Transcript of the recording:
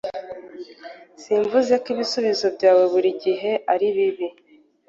Simvuze ko ibisubizo byawe buri gihe ari bibi.